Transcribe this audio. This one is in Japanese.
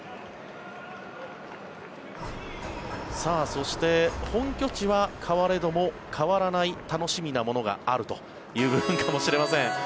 そして、本拠地は変われども変わらない楽しみなものがあるというのかもしれません。